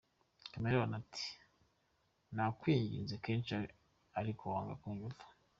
Chameleone ati “Nakwinginze kenshi ariko wanga kunyumva.